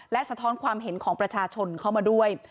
และสะท้อนความเห็นของประชาชนเข้ามาด้วย